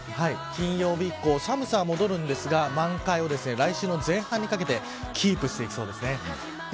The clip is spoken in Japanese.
金曜日以降、寒さは戻りますが満開は来週の前半にかけてキープしていきそうです。